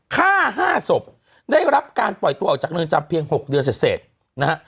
ฆ่า๕ศพได้รับการปล่อยตัวออกจากเรือนจำเพียง๖เดือนเสร็จนะฮะ